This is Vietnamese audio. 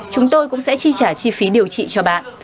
chúng tôi cũng sẽ chi trả chi phí điều trị cho bạn